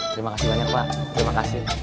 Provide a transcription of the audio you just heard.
terima kasih banyak pak